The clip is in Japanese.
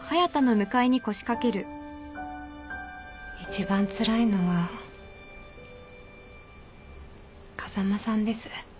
一番つらいのは風間さんです。